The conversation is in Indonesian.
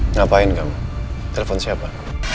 ngapain kamu telepon siapa